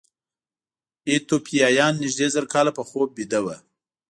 ایتوپیایان نږدې زر کاله په خوب ویده وو.